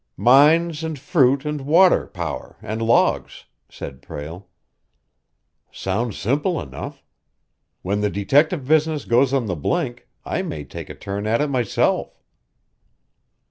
"Mines and fruit and water power and logs," said Prale. "Sounds simple enough. When the detective business goes on the blink, I may take a turn at it myself."